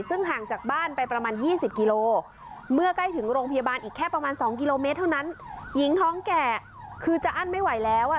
ซึ่งห่างจากบ้านไปประมาณ๒๐กิโลเมื่อใกล้ถึงโรงพยาบาลอีกแค่ประมาณ๒กิโลเมตรเท่านั้นหญิงท้องแก่คือจะอั้นไม่ไหวแล้วอ่ะ